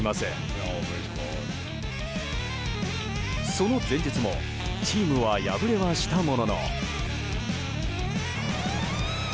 その前日もチームは敗れはしたものの。